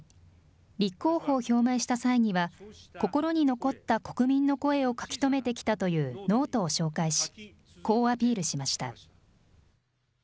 立候補を表明した際には、心に残った国民の声を書き留めてきたというノートを紹介し、こうアピールしました。